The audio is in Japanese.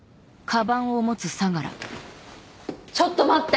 ちょっと待って！